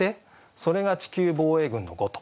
それが「地球防衛軍のごと」。